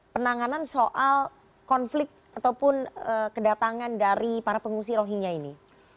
penanganan soal konflik ataupun kedatangan dari para pengungsi rohingya ini